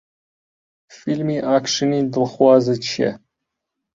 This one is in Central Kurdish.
فیلمی ئاکشنی دڵخوازت چییە؟